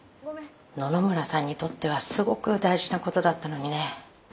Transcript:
野々村さんにとってはすごく大事なことだったのにね。